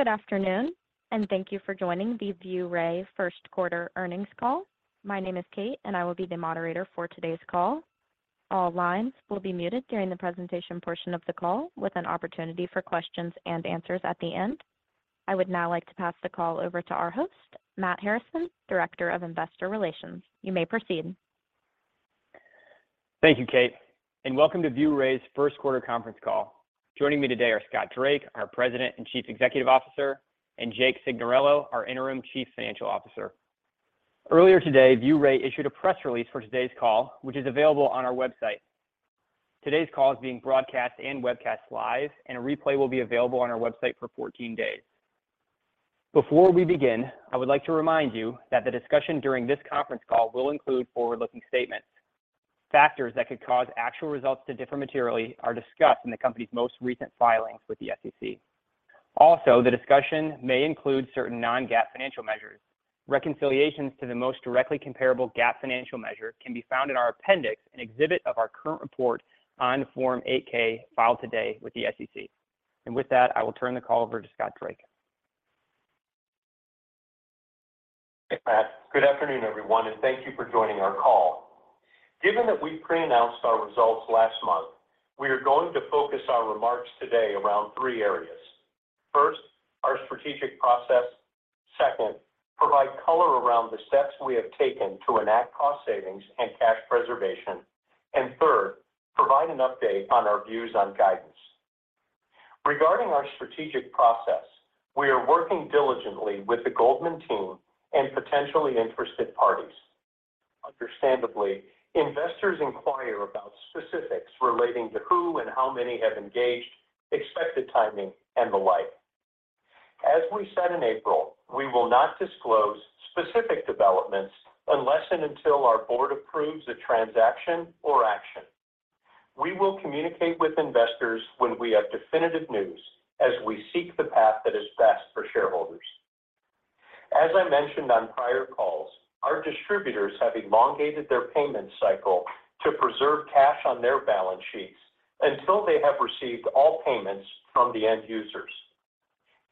Good afternoon, thank you for joining the ViewRay first quarter earnings call. My name is Kate, and I will be the moderator for today's call. All lines will be muted during the presentation portion of the call with an opportunity for questions and answers at the end. I would now like to pass the call over to our host, Matt Harrison, Director of Investor Relations. You may proceed. Thank you, Kate, and welcome to ViewRay's 1st quarter conference call. Joining me today are Scott Drake, our President and Chief Executive Officer, and Jake Signoriello, our Interim Chief Financial Officer. Earlier today, ViewRay issued a press release for today's call, which is available on our website. Today's call is being broadcast and webcast live, and a replay will be available on our website for 14 days. Before we begin, I would like to remind you that the discussion during this conference call will include forward-looking statements. Factors that could cause actual results to differ materially are discussed in the company's most recent filings with the SEC. The discussion may include certain non-GAAP financial measures. Reconciliations to the most directly comparable GAAP financial measure can be found in our appendix and exhibit of our current report on Form 8-K filed today with the SEC. With that, I will turn the call over to Scott Drake. Thanks, Matt. Good afternoon, everyone, and thank you for joining our call. Given that we pre-announced our results last month, we are going to focus our remarks today around three areas. First, our strategic process. Second, provide color around the steps we have taken to enact cost savings and cash preservation. Third, provide an update on our views on guidance. Regarding our strategic process, we are working diligently with the Goldman team and potentially interested parties. Understandably, investors inquire about specifics relating to who and how many have engaged, expected timing, and the like. As we said in April, we will not disclose specific developments unless and until our board approves a transaction or action. We will communicate with investors when we have definitive news as we seek the path that is best for shareholders. As I mentioned on prior calls, our distributors have elongated their payment cycle to preserve cash on their balance sheets until they have received all payments from the end users.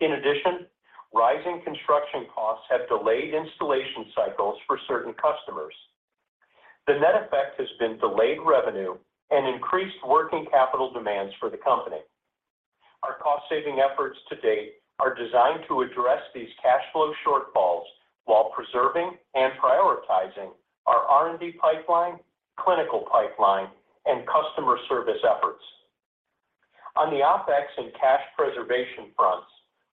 In addition, rising construction costs have delayed installation cycles for certain customers. The net effect has been delayed revenue and increased working capital demands for the company. Our cost-saving efforts to date are designed to address these cash flow shortfalls while preserving and prioritizing our R&D pipeline, clinical pipeline, and customer service efforts. On the OpEx and cash preservation fronts,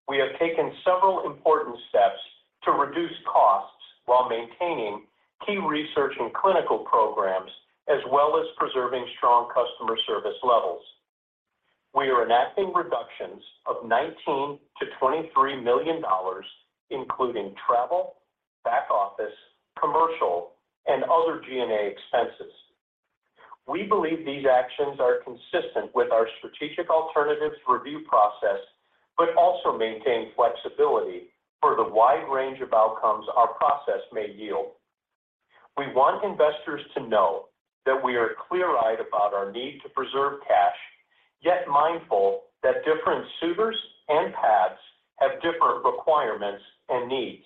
we have taken several important steps to reduce costs while maintaining key research and clinical programs, as well as preserving strong customer service levels. We are enacting reductions of $19 million-$23 million, including travel, back office, commercial, and other G&A expenses. We believe these actions are consistent with our strategic alternatives review process, but also maintain flexibility for the wide range of outcomes our process may yield. We want investors to know that we are clear-eyed about our need to preserve cash, yet mindful that different suitors and paths have different requirements and needs.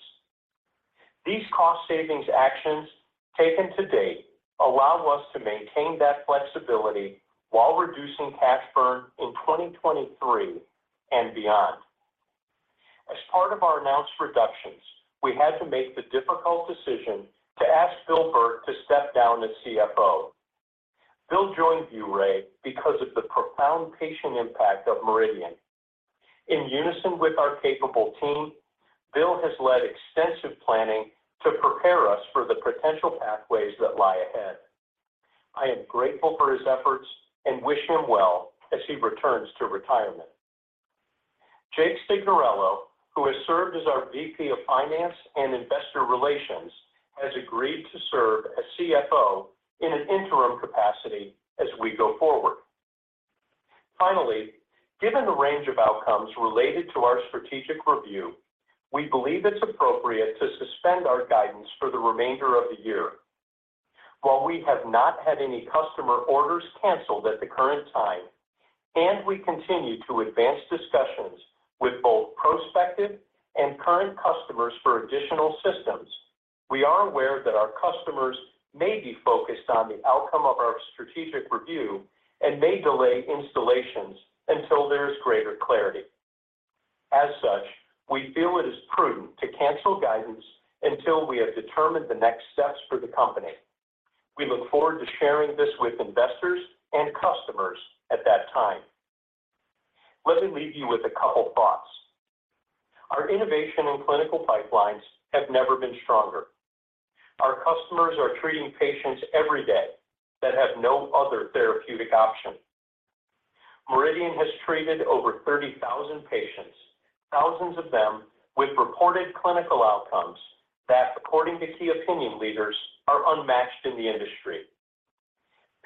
These cost savings actions taken to date allow us to maintain that flexibility while reducing cash burn in 2023 and beyond. As part of our announced reductions, we had to make the difficult decision to ask Bill Burt to step down as CFO. Bill joined ViewRay because of the profound patient impact of MRIdian. In unison with our capable team, Bill has led extensive planning to prepare us for the potential pathways that lie ahead. I am grateful for his efforts and wish him well as he returns to retirement. Jake Signoriello, who has served as our VP of Finance and Investor Relations, has agreed to serve as CFO in an interim capacity as we go forward. Given the range of outcomes related to our strategic review, we believe it's appropriate to suspend our guidance for the remainder of the year. We have not had any customer orders canceled at the current time, and we continue to advance discussions with both prospective and current customers for additional systems, we are aware that our customers may be focused on the outcome of our strategic review and may delay installations until there is greater clarity. We feel it is prudent to cancel guidance until we have determined the next steps for the company. We look forward to sharing this with investors and customers at that time. Let me leave you with a couple thoughts. Our innovation and clinical pipelines have never been stronger. Our customers are treating patients every day that have no other therapeutic option. MRIdian has treated over 30,000 patients, thousands of them with reported clinical outcomes that, according to key opinion leaders, are unmatched in the industry.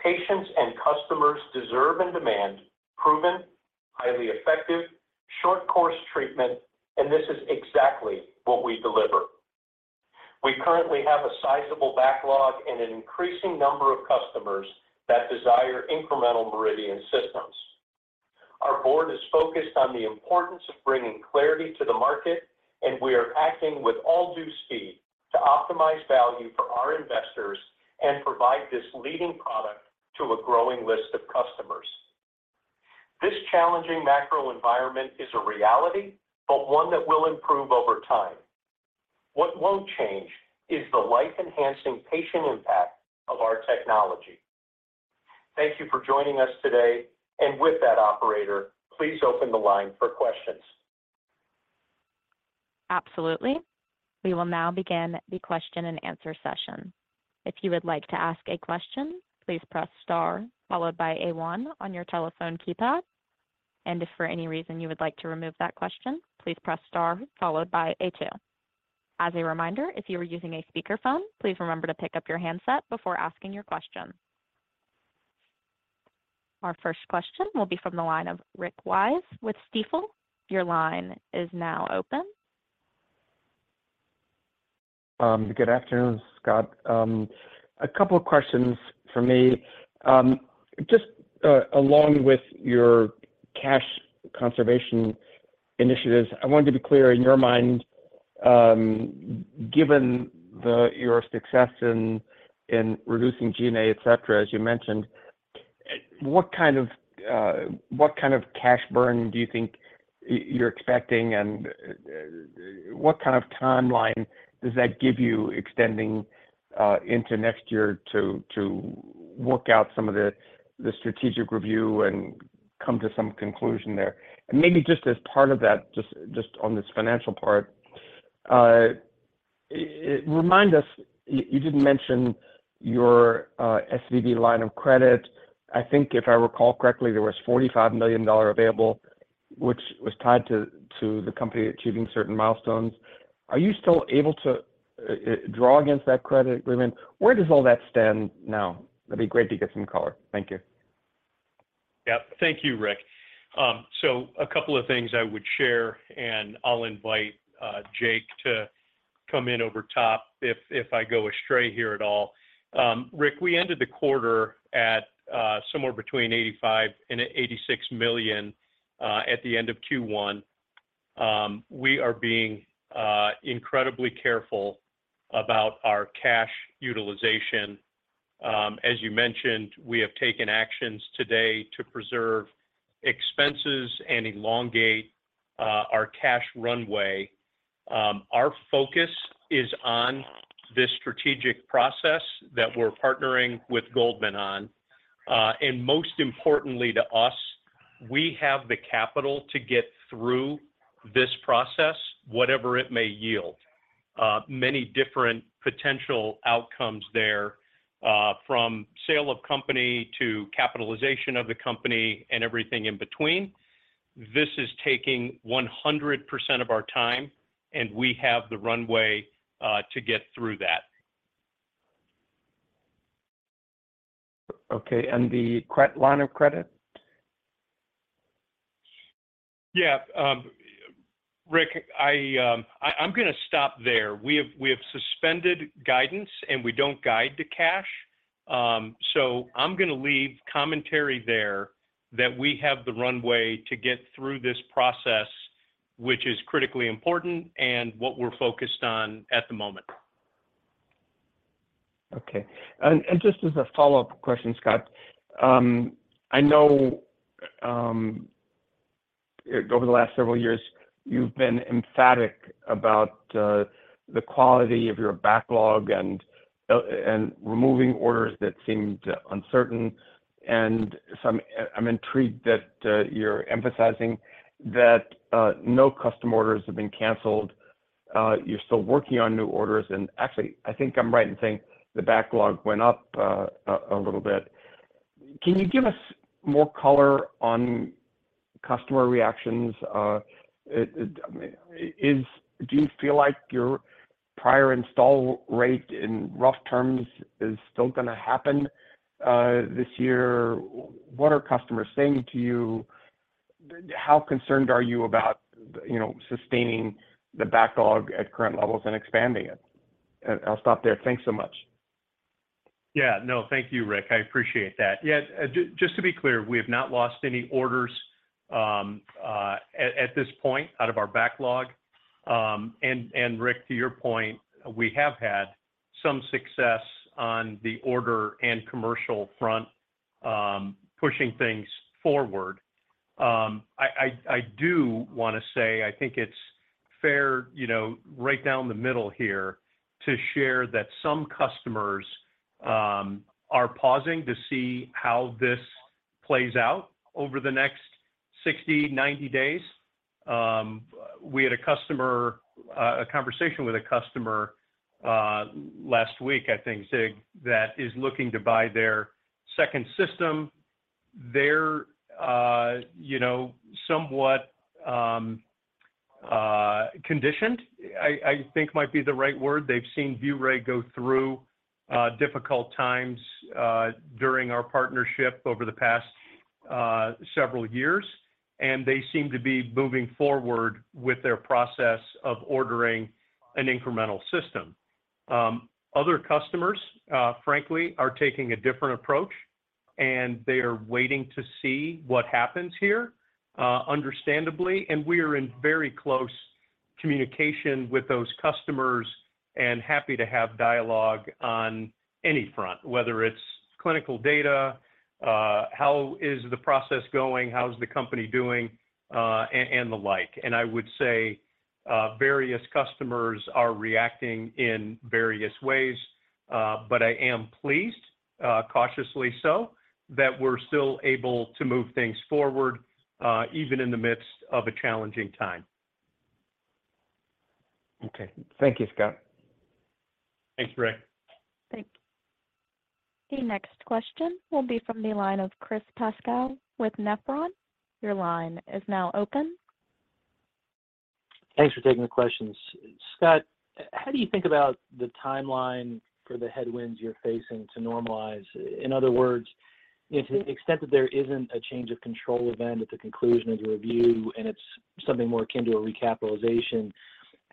Patients and customers deserve and demand proven, highly effective, short course treatment. This is exactly what we deliver. We currently have a sizable backlog and an increasing number of customers that desire incremental MRIdian systems. Our board is focused on the importance of bringing clarity to the market, and we are acting with all due speed to optimize value for our investors and provide this leading product to a growing list of customers. This challenging macro environment is a reality, but one that will improve over time. What won't change is the life-enhancing patient impact of our technology. Thank you for joining us today. With that, operator, please open the line for questions. Absolutely. We will now begin the question and answer session. If you would like to ask a question, please press star followed by A one on your telephone keypad. If for any reason you would like to remove that question, please press star followed by A two. As a reminder, if you are using a speakerphone, please remember to pick up your handset before asking your question. Our first question will be from the line of Rick Wise with Stifel. Your line is now open. Good afternoon, Scott. A couple of questions for me. Just along with your cash conservation initiatives, I wanted to be clear in your mind, given your success in reducing G&A, et cetera, as you mentioned, what kind of cash burn do you think you're expecting, and what kind of timeline does that give you extending into next year to work out some of the strategic review and come to some conclusion there? Maybe just as part of that, just on this financial part, remind us, you did mention your SVB line of credit. I think if I recall correctly, there was $45 million available, which was tied to the company achieving certain milestones. Are you still able to draw against that credit agreement? Where does all that stand now? That'd be great to get some color. Thank you. Thank you, Rick. A couple of things I would share, and I'll invite Jake to come in over top if I go astray here at all. Rick, we ended the quarter at somewhere between $85 million and $86 million at the end of Q1. We are being incredibly careful about our cash utilization. As you mentioned, we have taken actions today to preserve expenses and elongate our cash runway. Our focus is on this strategic process that we're partnering with Goldman on. Most importantly to us, we have the capital to get through this process, whatever it may yield. Many different potential outcomes there, from sale of company to capitalization of the company and everything in between. This is taking 100% of our time, and we have the runway, to get through that. Okay. The line of credit? Rick, I'm gonna stop there. We have suspended guidance, we don't guide to cash. I'm gonna leave commentary there that we have the runway to get through this process, which is critically important and what we're focused on at the moment. Okay. Just as a follow-up question, Scott, I know over the last several years, you've been emphatic about the quality of your backlog and removing orders that seemed uncertain. So I'm intrigued that you're emphasizing that no customer orders have been canceled. You're still working on new orders. Actually, I think I'm right in saying the backlog went up a little bit. Can you give us more color on customer reactions? Do you feel like your prior install rate in rough terms is still going to happen this year? What are customers saying to you? How concerned are you about, you know, sustaining the backlog at current levels and expanding it? I'll stop there. Thanks so much. No, thank you, Rick. I appreciate that. Just to be clear, we have not lost any orders at this point out of our backlog. Rick, to your point, we have had some success on the order and commercial front, pushing things forward. I do wanna say I think it's fair, you know, right down the middle here to share that some customers are pausing to see how this plays out over the next 60, 90 days. We had a conversation with a customer last week, I think, Zig, that is looking to buy their second system. They're, you know, somewhat conditioned, I think might be the right word. They've seen ViewRay go through difficult times during our partnership over the past several years, and they seem to be moving forward with their process of ordering an incremental system. Other customers, frankly, are taking a different approach, and they are waiting to see what happens here, understandably. We're in very close communication with those customers and happy to have dialogue on any front, whether it's clinical data, how is the process going, how is the company doing, and the like. I would say various customers are reacting in various ways, but I am pleased, cautiously so, that we're still able to move things forward even in the midst of a challenging time Okay. Thank you, Scott. Thanks, ViewRay. Thank you. The next question will be from the line of Chris Pasquale with Nephron. Your line is now open. Thanks for taking the questions. Scott, how do you think about the timeline for the headwinds you're facing to normalize? In other words, if to the extent that there isn't a change of control event at the conclusion of the review and it's something more akin to a recapitalization,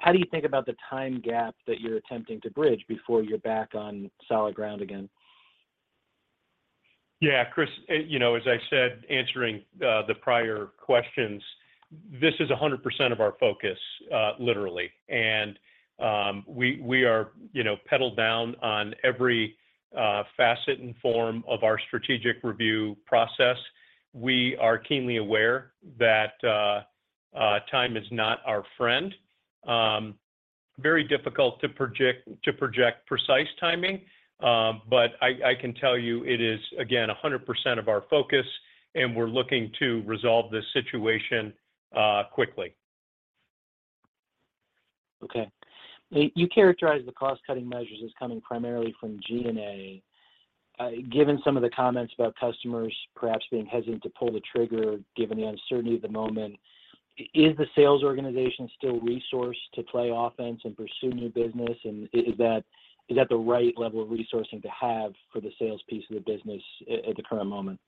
how do you think about the time gap that you're attempting to bridge before you're back on solid ground again? Yeah, Chris, you know, as I said, answering the prior questions, this is 100% of our focus, literally. We are, you know, pedaled down on every facet and form of our strategic review process. We are keenly aware that time is not our friend. Very difficult to project precise timing, but I can tell you it is, again, 100% of our focus, and we're looking to resolve this situation quickly. Okay. You characterized the cost-cutting measures as coming primarily from G&A. Given some of the comments about customers perhaps being hesitant to pull the trigger given the uncertainty of the moment, is the sales organization still resourced to play offense and pursue new business, is that the right level of resourcing to have for the sales piece of the business at the current moment?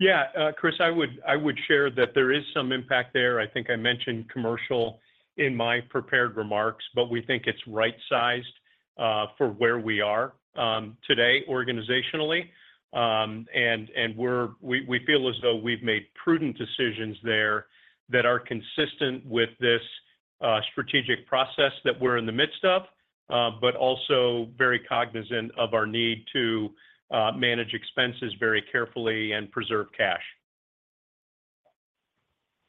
Yeah, Chris, I would share that there is some impact there. I think I mentioned commercial in my prepared remarks. We think it's right-sized for where we are today organizationally. We feel as though we've made prudent decisions there that are consistent with this strategic process that we're in the midst of, but also very cognizant of our need to manage expenses very carefully and preserve cash.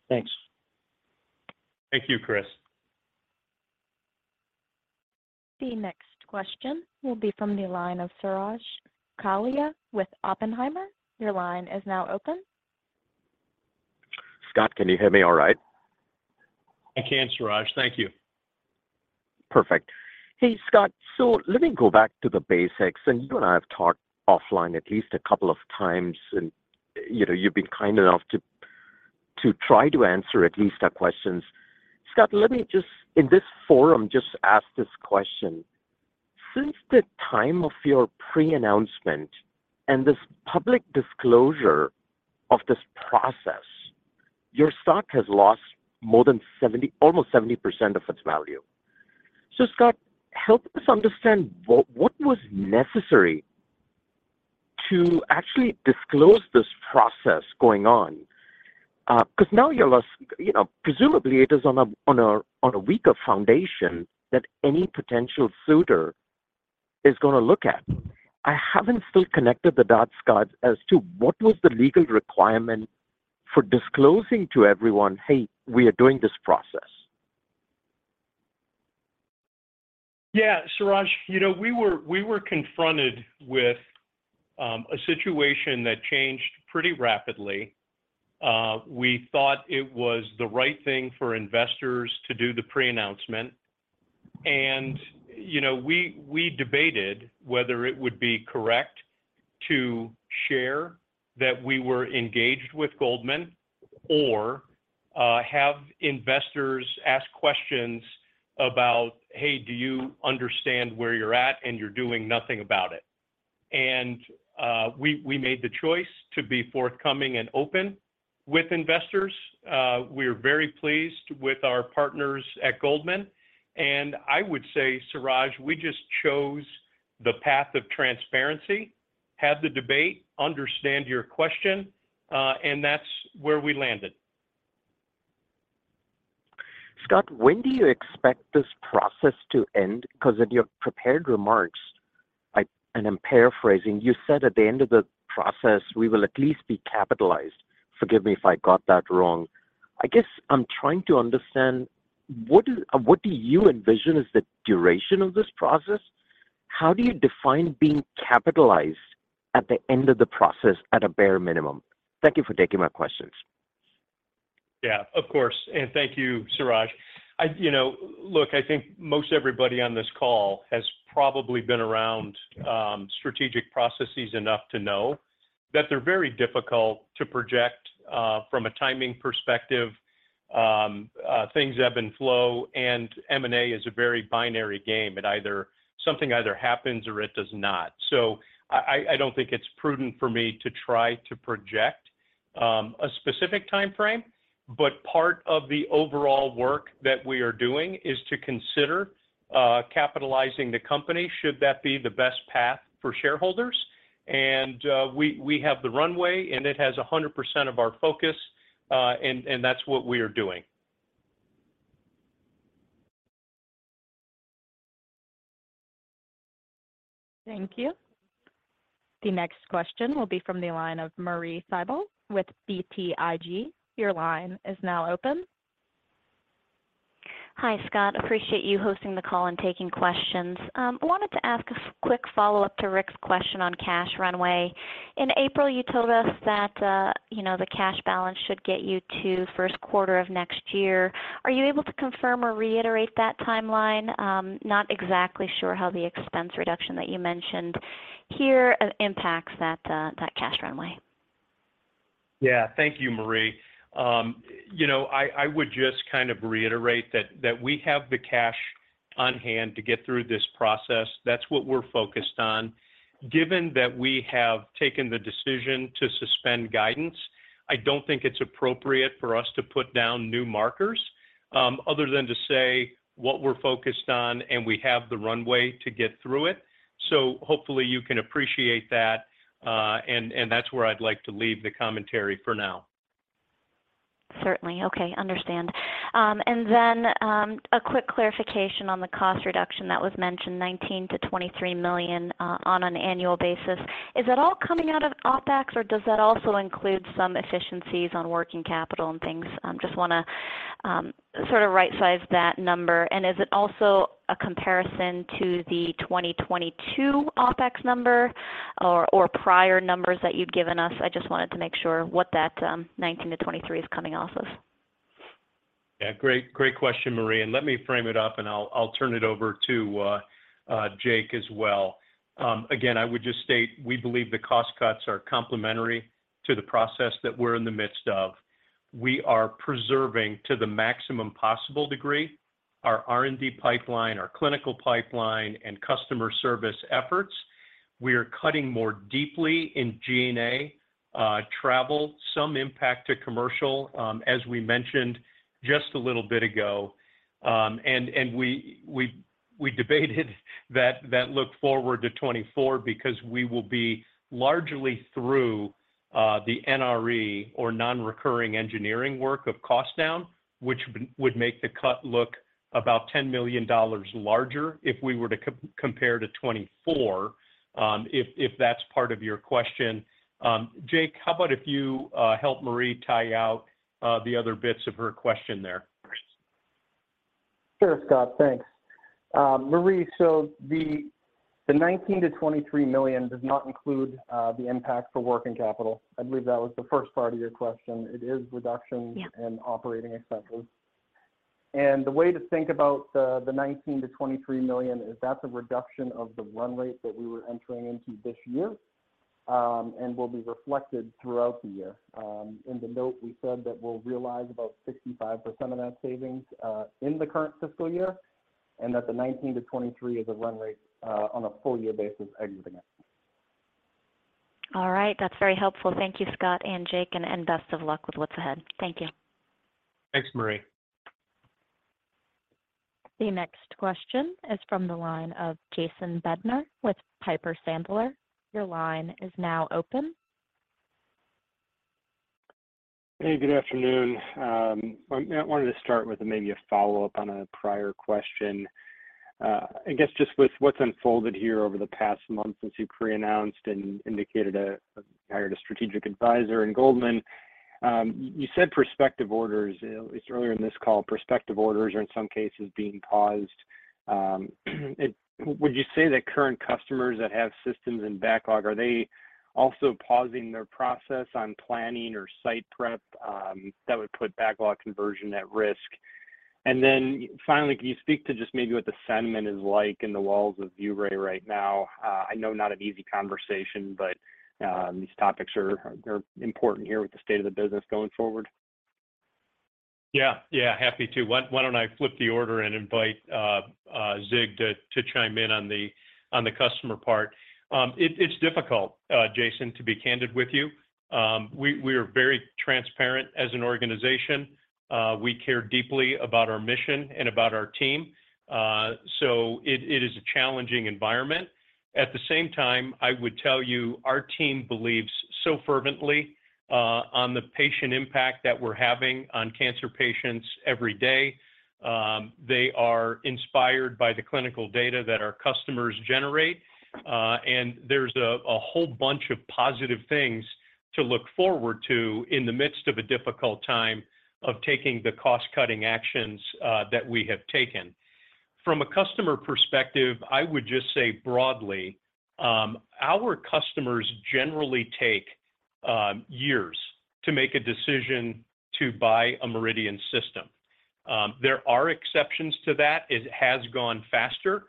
Thanks. Thank you, Chris. The next question will be from the line of Suraj Kalia with Oppenheimer. Your line is now open. Scott, can you hear me all right? I can, Suraj. Thank you. Perfect. Hey, Scott. Let me go back to the basics, and you and I have talked offline at least a couple of times, and, you know, you've been kind enough to try to answer at least our questions. Scott, let me just, in this forum, just ask this question. Since the time of your pre-announcement and this public disclosure of this process, your stock has lost more than 70, almost 70% of its value. Scott, help us understand what was necessary to actually disclose this process going on? 'Cause now you're less, you know, presumably it is on a weaker foundation than any potential suitor is gonna look at. I haven't still connected the dots, Scott, as to what was the legal requirement for disclosing to everyone, "Hey, we are doing this process. Yeah, Suraj. You know, we were confronted with a situation that changed pretty rapidly. We thought it was the right thing for investors to do the pre-announcement. You know, we debated whether it would be correct to share that we were engaged with Goldman or have investors ask questions about, "Hey, do you understand where you're at, and you're doing nothing about it." We made the choice to be forthcoming and open with investors. We're very pleased with our partners at Goldman. I would say, Suraj, we just chose the path of transparency, had the debate, understand your question, and that's where we landed. Scott, when do you expect this process to end? 'Cause in your prepared remarks, I'm paraphrasing, you said at the end of the process, we will at least be capitalized. Forgive me if I got that wrong. I guess I'm trying to understand what do you envision is the duration of this process? How do you define being capitalized at the end of the process at a bare minimum? Thank you for taking my questions. Yeah. Of course. Thank you, Suraj. You know, look, I think most everybody on this call has probably been around strategic processes enough to know that they're very difficult to project from a timing perspective. Things ebb and flow, M&A is a very binary game. Something either happens or it does not. I don't think it's prudent for me to try to project a specific timeframe, but part of the overall work that we are doing is to consider capitalizing the company should that be the best path for shareholders. We have the runway, and it has 100% of our focus, and that's what we are doing. Thank you. The next question will be from the line of Marie Thibault with BTIG. Your line is now open. Hi, Scott. Appreciate you hosting the call and taking questions. Wanted to ask a quick follow-up to Rick's question on cash runway. In April, you told us that, you know, the cash balance should get you to first quarter of next year. Are you able to confirm or reiterate that timeline? Not exactly sure how the expense reduction that you mentioned here, impacts that cash runway. Yeah. Thank you, Marie. You know, I would just kind of reiterate that we have the cash on hand to get through this process. That's what we're focused on. Given that we have taken the decision to suspend guidance, I don't think it's appropriate for us to put down new markers, other than to say what we're focused on, and we have the runway to get through it. Hopefully you can appreciate that, and that's where I'd like to leave the commentary for now. Certainly. Okay. Understand. then, a quick clarification on the cost reduction that was mentioned, $19 million-$23 million, on an annual basis. Is that all coming out of OpEx, or does that also include some efficiencies on working capital and things? just wanna sort of right-size that number. Is it also a comparison to the 2022 OpEx number or prior numbers that you've given us? I just wanted to make sure what that, $19 million-$23 million is coming off of. Yeah. Great question, Marie. Let me frame it up, I'll turn it over to Jake as well. Again, I would just state we believe the cost cuts are complementary to the process that we're in the midst of. We are preserving to the maximum possible degree our R&D pipeline, our clinical pipeline, and customer service efforts. We are cutting more deeply in G&A, travel, some impact to commercial, as we mentioned just a little bit ago. And we debated that look forward to 2024 because we will be largely through the NRE or non-recurring engineering work of cost down, which would make the cut look about $10 million larger if we were to compare to 2024, if that's part of your question. Jake, how about if you help Marie tie out the other bits of her question there? Sure, Scott. Thanks. Marie, the $19 million-$23 million does not include the impact for working capital. I believe that was the first part of your question. It is reductions- Yeah... in operating expenses. The way to think about the $19 million-$23 million is that's a reduction of the run rate that we were entering into this year, and will be reflected throughout the year. In the note, we said that we'll realize about 65% of that savings in the current fiscal year, and that the $19 million-$23 million is a run rate on a full year basis exiting it. All right. That's very helpful. Thank you, Scott and Jake, and best of luck with what's ahead. Thank you. Thanks, Marie. The next question is from the line of Jason Bednar with Piper Sandler. Your line is now open. Hey, good afternoon. I wanted to start with maybe a follow-up on a prior question. I guess just with what's unfolded here over the past month since you pre-announced and indicated, hired a strategic advisor in Goldman, you said prospective orders, at least earlier in this call, prospective orders are in some cases being paused. Would you say that current customers that have systems in backlog, are they also pausing their process on planning or site prep, that would put backlog conversion at risk? Finally, can you speak to just maybe what the sentiment is like in the walls of ViewRay right now? I know not an easy conversation, but these topics are important here with the state of the business going forward. Yeah. Happy to. Why don't I flip the order and invite Zig to chime in on the customer part. It's difficult, Jason Bednar, to be candid with you. We are very transparent as an organization. We care deeply about our mission and about our team. It is a challenging environment. At the same time, I would tell you our team believes so fervently on the patient impact that we're having on cancer patients every day. They are inspired by the clinical data that our customers generate. There's a whole bunch of positive things to look forward to in the midst of a difficult time of taking the cost-cutting actions that we have taken. From a customer perspective, I would just say broadly, our customers generally take years to make a decision to buy a MRIdian system. There are exceptions to that. It has gone faster.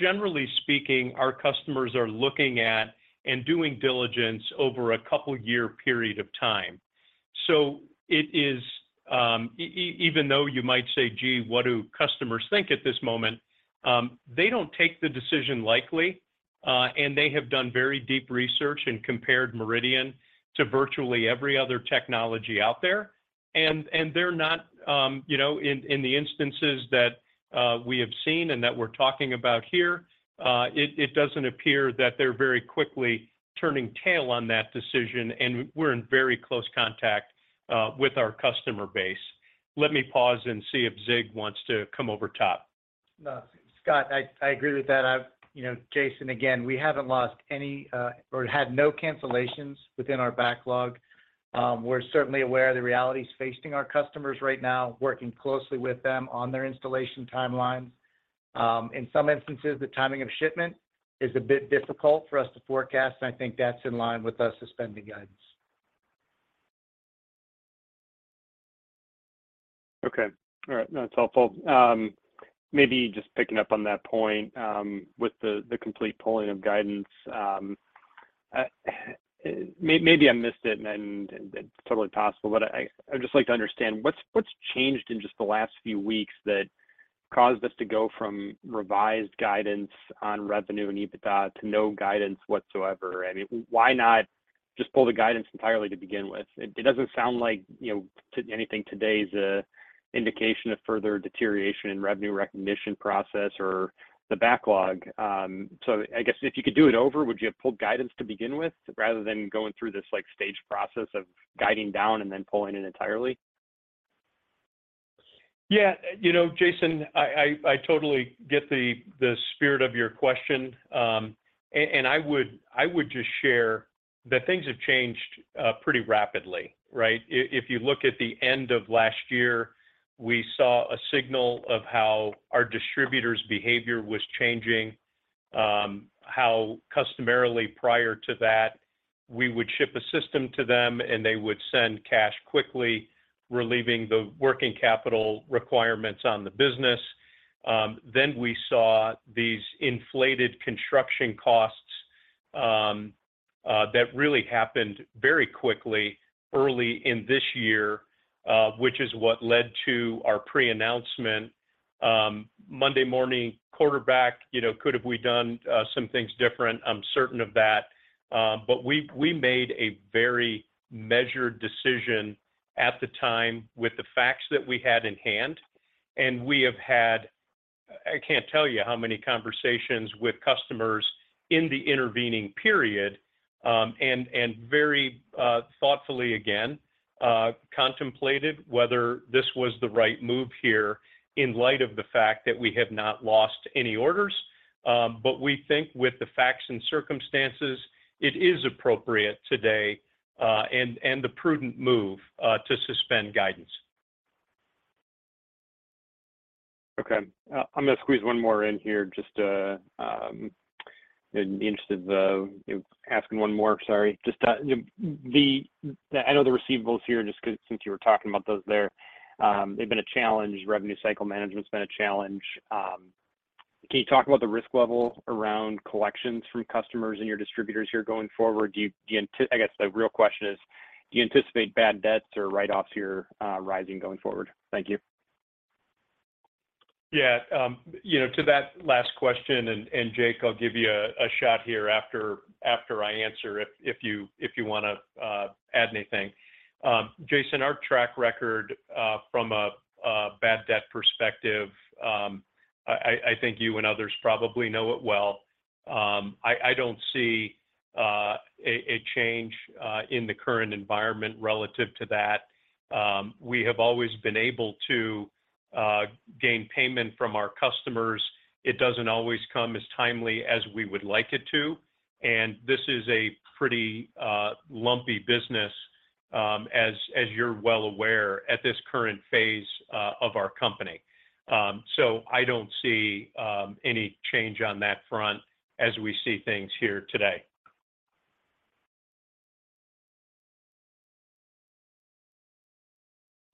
Generally speaking, our customers are looking at and doing diligence over a couple year period of time. It is, even though you might say, "Gee, what do customers think at this moment?" They don't take the decision likely, and they have done very deep research and compared MRIdian to virtually every other technology out there. They're not, you know, in the instances that we have seen and that we're talking about here, it doesn't appear that they're very quickly turning tail on that decision, and we're in very close contact with our customer base. Let me pause and see if Zig wants to come over top. No. Scott, I agree with that. You know, Jason, again, we haven't lost any, or had no cancellations within our backlog. We're certainly aware of the realities facing our customers right now, working closely with them on their installation timelines. In some instances, the timing of shipment is a bit difficult for us to forecast, and I think that's in line with us suspending guidance. All right. That's helpful. Maybe just picking up on that point, with the complete pulling of guidance, I missed it and it's totally possible, but I'd just like to understand, what's changed in just the last few weeks that caused us to go from revised guidance on revenue and EBITDA to no guidance whatsoever? I mean, why not just pull the guidance entirely to begin with? It doesn't sound like, you know, anything today is a indication of further deterioration in revenue recognition process or the backlog. I guess if you could do it over, would you have pulled guidance to begin with rather than going through this, like, stage process of guiding down and then pulling it entirely? Yeah. You know, Jason, I totally get the spirit of your question. I would just share that things have changed pretty rapidly, right? If you look at the end of last year, we saw a signal of how our distributors' behavior was changing, how customarily prior to that, we would ship a system to them and they would send cash quickly, relieving the working capital requirements on the business. We saw these inflated construction costs that really happened very quickly early in this year, which is what led to our pre-announcement. Monday morning quarterback, you know, could have we done some things different? I'm certain of that. We made a very measured decision at the time with the facts that we had in hand, and we have had, I can't tell you how many conversations with customers in the intervening period, and very thoughtfully again contemplated whether this was the right move here in light of the fact that we have not lost any orders. We think with the facts and circumstances, it is appropriate today, and the prudent move to suspend guidance. Okay. I'm gonna squeeze one more in here, just interested in asking one more. Sorry. Just, I know the receivables here, since you were talking about those there, they've been a challenge. Revenue cycle management's been a challenge. Can you talk about the risk level around collections from customers and your distributors here going forward? I guess the real question is, do you anticipate bad debts or write-offs here rising going forward? Thank you. Yeah. You know, to that last question, Jake, I'll give you a shot here after I answer if you wanna add anything. Jason, our track record from a bad debt perspective, I think you and others probably know it well. I don't see a change in the current environment relative to that. We have always been able to gain payment from our customers. It doesn't always come as timely as we would like it to, this is a pretty lumpy business, as you're well aware, at this current phase of our company. I don't see any change on that front as we see things here today.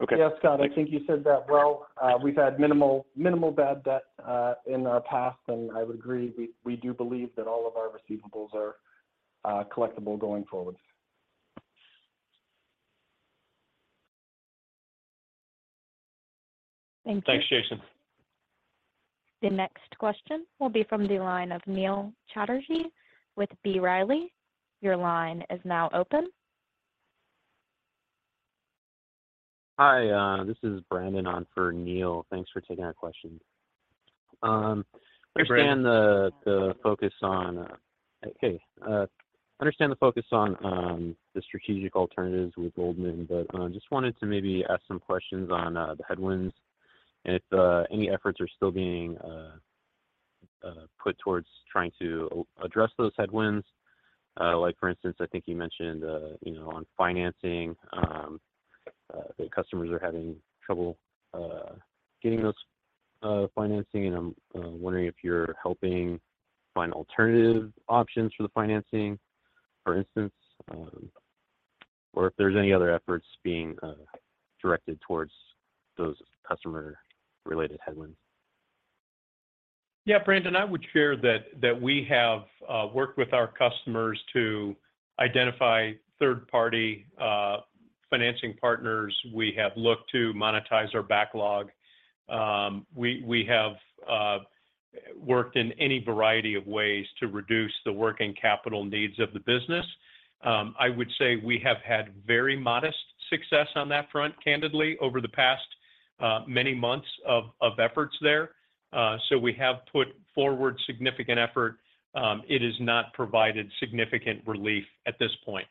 Okay. Yes, Scott, I think you said that well. We've had minimal bad debt in our past, and I would agree, we do believe that all of our receivables are collectible going forward. Thanks, Jason. The next question will be from the line of Neil Chatterjee with B. Riley. Your line is now open. Hi, this is Brandon on for Neil. Thanks for taking our question. Hey, Brandon. I understand the focus on the strategic alternatives with Goldman, but just wanted to maybe ask some questions on the headwinds and if any efforts are still being put towards trying to address those headwinds. Like for instance, I think you mentioned, you know, on financing, that customers are having trouble getting those financing, and I'm wondering if you're helping find alternative options for the financing. For instance, or if there's any other efforts being directed towards those customer-related headwinds. Yeah, Brandon, I would share that we have worked with our customers to identify third-party financing partners. We have looked to monetize our backlog. We have worked in any variety of ways to reduce the working capital needs of the business. I would say we have had very modest success on that front, candidly, over the past many months of efforts there. We have put forward significant effort. It has not provided significant relief at this point.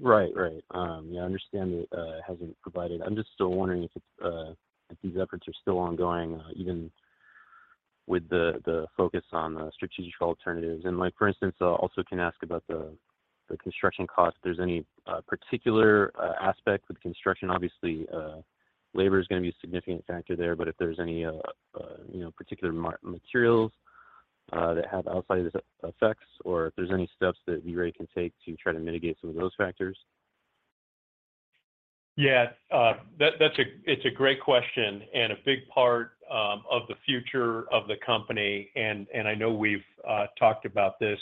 Right. Right. Yeah, I understand it hasn't provided... I'm just still wondering if it's if these efforts are still ongoing even with the focus on the strategic alternatives. Like, for instance, I also can ask about the construction cost, if there's any particular aspect with construction. Obviously, labor is gonna be a significant factor there, but if there's any, you know, particular materials that have outsized effects or if there's any steps that ViewRay can take to try to mitigate some of those factors. Yeah. It's a great question and a big part of the future of the company, and I know we've talked about this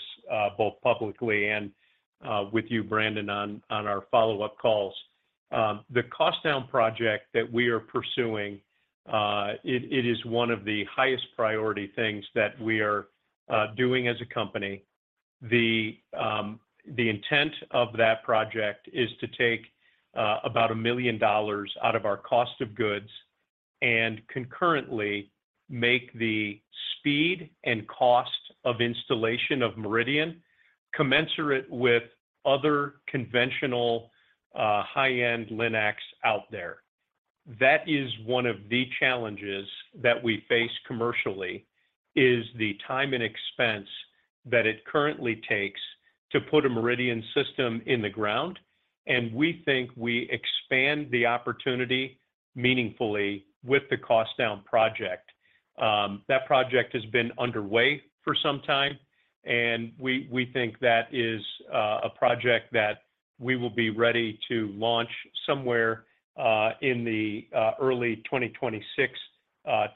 both publicly and with you, Brandon, on our follow-up calls. The cost down project that we are pursuing, it is one of the highest priority things that we are doing as a company. The intent of that project is to take about $1 million out of our cost of goods and concurrently make the speed and cost of installation of MRIdian commensurate with other conventional, high-end LINACs out there. That is one of the challenges that we face commercially is the time and expense that it currently takes to put a MRIdian system in the ground, and we think we expand the opportunity meaningfully with the cost down project. That project has been underway for some time, and we think that is a project that we will be ready to launch somewhere in the early 2026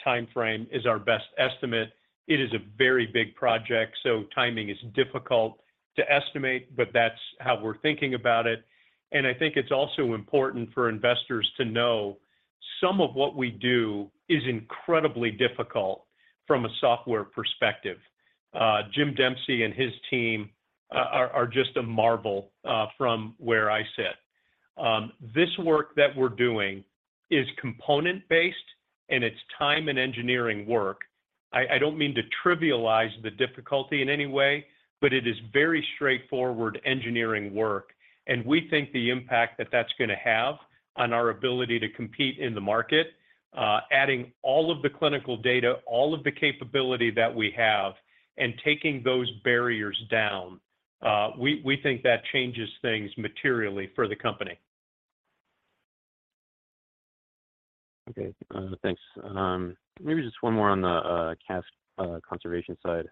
timeframe is our best estimate. It is a very big project, so timing is difficult to estimate, but that's how we're thinking about it. I think it's also important for investors to know some of what we do is incredibly difficult from a software perspective. James Dempsey and his team are just a marvel from where I sit. This work that we're doing is component-based, and it's time and engineering work. I don't mean to trivialize the difficulty in any way, but it is very straightforward engineering work, and we think the impact that that's gonna have on our ability to compete in the market, adding all of the clinical data, all of the capability that we have, and taking those barriers down, we think that changes things materially for the company. Okay. Thanks. Maybe just one more on the cash conservation side.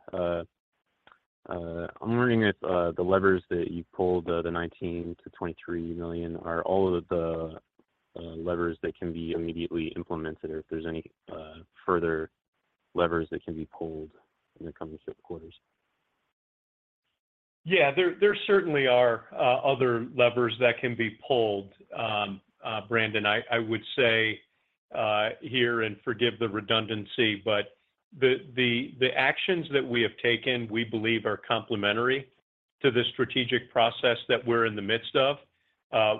I'm wondering if the levers that you pulled, the $19 million-$23 million, are all of the levers that can be immediately implemented or if there's any further levers that can be pulled in the coming quarters? Yeah. There certainly are other levers that can be pulled. Brandon, I would say here, and forgive the redundancy, the actions that we have taken, we believe are complementary to the strategic process that we're in the midst of.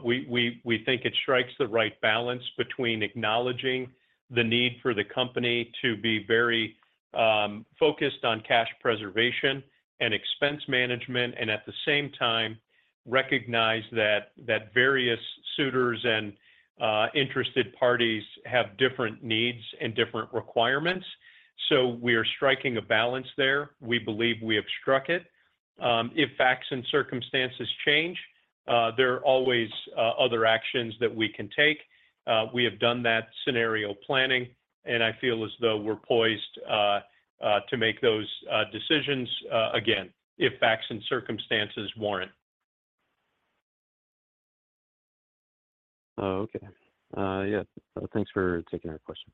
We think it strikes the right balance between acknowledging the need for the company to be very focused on cash preservation and expense management and at the same time recognize that various suitors and interested parties have different needs and different requirements. We are striking a balance there. We believe we have struck it. If facts and circumstances change, there are always other actions that we can take. We have done that scenario planning, and I feel as though we're poised to make those decisions again, if facts and circumstances warrant. Okay. Thanks for taking our questions.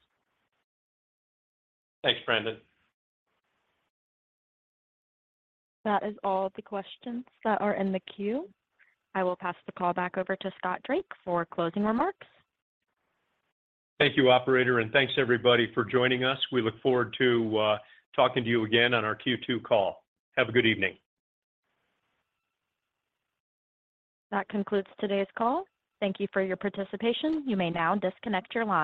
Thanks, Brandon. That is all the questions that are in the queue. I will pass the call back over to Scott Drake for closing remarks. Thank you, operator, and thanks everybody for joining us. We look forward to talking to you again on our Q2 call. Have a good evening. That concludes today's call. Thank you for your participation. You may now disconnect your line.